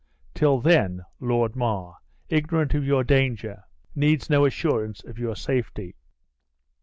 Till then, Lord Mar, ignorant of your danger, needs no assurance of your safety."